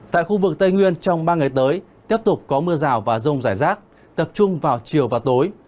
tại khu vực tây nguyên trong ba ngày tới tiếp tục có mưa rào và rông rải rác tập trung vào chiều và tối